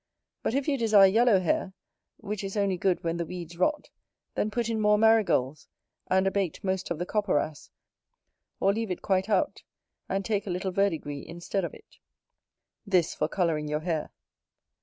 But if you desire yellow hair, which is only good when the weeds rot, then put in more marigolds; and abate most of the copperas, or leave it quite out, and take a little verdigris instead of it. This for colouring your hair.